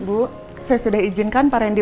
bu saya sudah izinkan pak randy